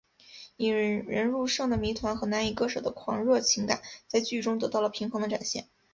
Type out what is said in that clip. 引人入胜的谜团和难以割舍的狂热情感在剧中得到了平衡的展现。